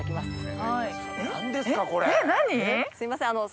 すみません